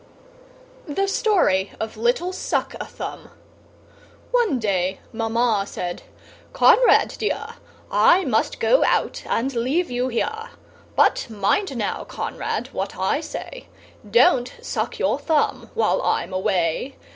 The Story of Little Suck a Thumb One day Mamma said "Conrad dear, I must go out and leave you here. But mind now, Conrad, what I say, Don't suck your thumb while I'm away.